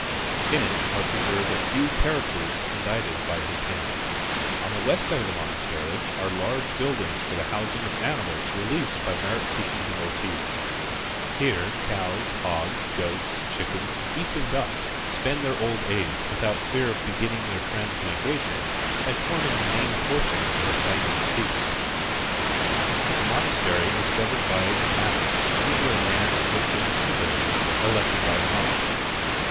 In it are preserved a few characters indited by his hand. On the west side of the monastery are large buildings for the housing of animals released by merit seeking devotees. Here cows, hogs, goats, chickens, geese and ducks spend their old age without fear of beginning their transmigration by forming the main portion of a Chinese feast. The monastery is governed by an abbot, usually a man of good business ability, elected by the monks.